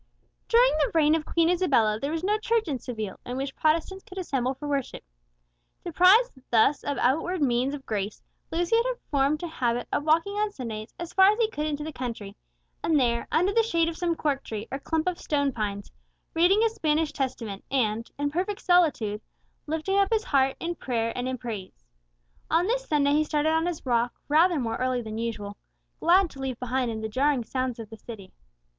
During the reign of Queen Isabella there was no church in Seville in which Protestants could assemble for worship. Deprived thus of outward means of grace, Lucius had formed a habit of walking on Sundays as far as he could into the country, and there, under the shade of some cork tree, or clump of stone pines, reading his Spanish Testament, and, in perfect solitude, lifting up his heart in prayer and in praise. On this Sunday he started on his walk rather more early than usual, glad to leave behind him the jarring sounds of the city.